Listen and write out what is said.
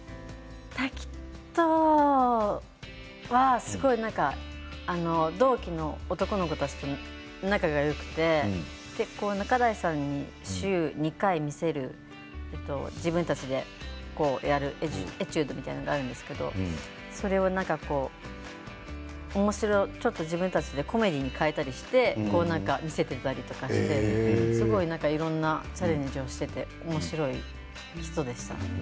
滝藤はすごいなんか同期の男の子たちと仲がよくて仲代さんに週２回見せる自分たちでやるエチュードみたいなのがあるんですけどそれを、ちょっと自分たちでコメディーに変えたりして見せていたりとかしてすごいなんかいろんなチャレンジをしていておもしろい人でした。